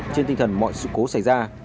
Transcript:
trên tinh thần mọi sự cố xảy ra